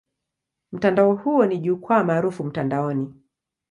Mtandao huo ni jukwaa maarufu mtandaoni.